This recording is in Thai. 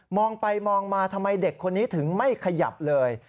องไปมองมาทำไมเด็กคนนี้ถึงไม่ขยับเลย